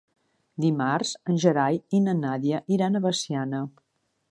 Dimarts en Gerai i na Nàdia iran a Veciana.